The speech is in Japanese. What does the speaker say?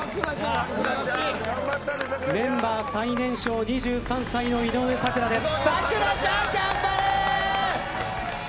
メンバー最年少、２３歳の井上咲楽です。